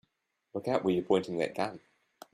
Look out where you're pointing that gun!